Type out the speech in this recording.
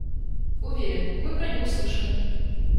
Уверен, вы про него слышали.